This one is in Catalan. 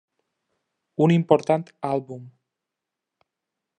Un important àlbum.